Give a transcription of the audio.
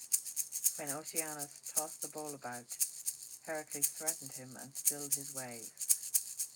When Oceanus tossed the bowl about, Heracles threatened him and stilled his waves.